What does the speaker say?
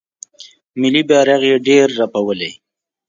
ملي بیرغ یې ډیر رپولی